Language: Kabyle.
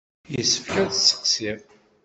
Yessefk ad t-sseqsiɣ.